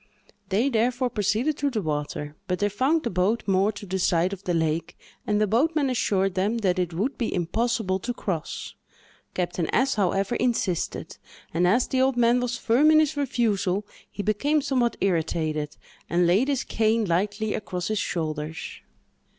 They, therefore, proceeded to the water, but they found the boat moored to the side of the lake, and the boatman assured them that it would be impossible to cross. Captain S——, however, insisted, and, as the old man was firm in his refusal, he became somewhat irritated, and laid his cane lightly across his shoulders.